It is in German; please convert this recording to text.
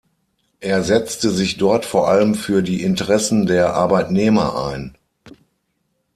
Er setzte sich dort vor allem für die Interessen der Arbeitnehmer ein.